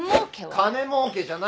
金もうけじゃない。